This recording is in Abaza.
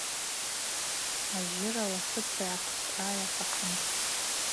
Ажьира ласыта йгӏахътӏра атахъын.